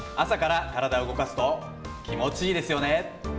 朝から体を動かすと気持ちいいですよね。